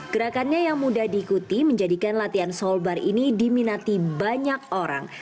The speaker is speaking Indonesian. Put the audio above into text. gerakannya yang mudah diikuti menjadikan latihan soul bar ini diminati banyak orang